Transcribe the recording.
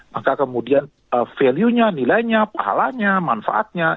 maka kemudian value nya nilainya pahalanya manfaatnya